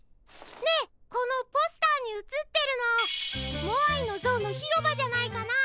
ねえこのポスターにうつってるのモアイのぞうのひろばじゃないかな？